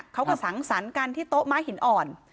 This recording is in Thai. เขาก็สังสรรค์กันที่โต๊ะไม้หินอ่อน